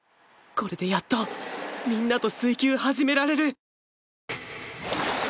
これでやっとみんなと水球始められる